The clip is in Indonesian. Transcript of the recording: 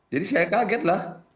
jadi saya kaget lah